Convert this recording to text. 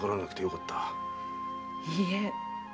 いいえ。